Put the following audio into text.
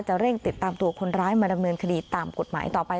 เร่งติดตามตัวคนร้ายมาดำเนินคดีตามกฎหมายต่อไป